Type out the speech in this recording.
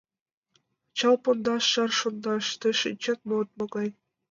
Чал-Пондаш Шар шондаш Тый шинчет? — вот могай: